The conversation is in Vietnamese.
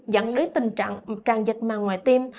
dẫn đến tình trạng tràn dịch màng ngoài tim